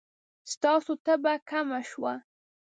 ستاسو تبه کمه شوه؟